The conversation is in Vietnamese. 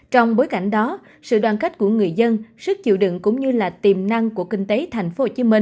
trong bối cảnh đó sự đoàn kết của người dân sức chịu đựng cũng như là tiềm năng của kinh tế tp hcm